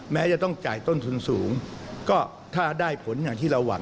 แม้จะต้องจ่ายต้นทุนสูงก็ถ้าได้ผลอย่างที่เราหวัง